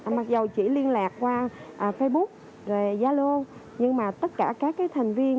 mặc dù chỉ liên lạc qua facebook zalo nhưng mà tất cả các thành viên